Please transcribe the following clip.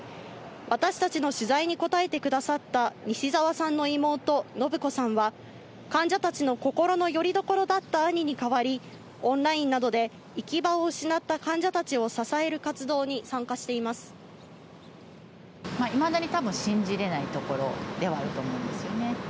私たちの取材に応えてくださった西澤さんの妹、伸子さんは、患者たちの心のよりどころだった兄に代わり、オンラインなどで行き場を失った患者たちを支える活動に参加していまだにたぶん、信じれないところではあると思うんですよね。